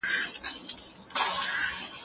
موږ پرون د چینې تر څنګ غاړې ته ناست وو.